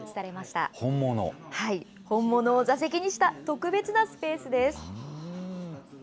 本物を座席にした、特別なスペースです。